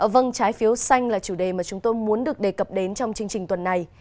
vâng trái phiếu xanh là chủ đề mà chúng tôi muốn được đề cập đến trong chương trình tuần này